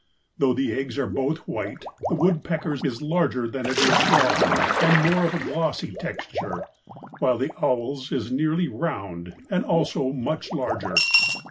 Though the eggs are both white, the woodpecker's is larger than it is broad and more of a glossy texture, while the owl's is nearly round and also much larger.